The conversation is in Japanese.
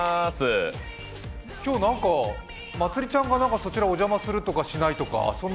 今日、なんか、まつりちゃんがそちらにお邪魔するとかしないとか。